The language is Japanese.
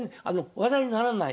話題にならない？